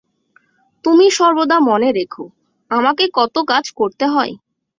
তুমি সর্বদা মনে রেখো, আমাকে কত কাজ করতে হয়।